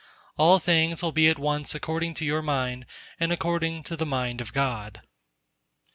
All things will be at once according to your mind and according to the Mind of God.